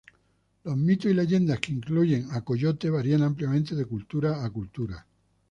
Los mitos y leyendas que incluyen a Coyote varían ampliamente de cultura a cultura.